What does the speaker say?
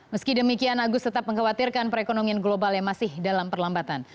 meski demikian agus tetap mengkhawatirkan perekonomian global yang masih dalam perlambatan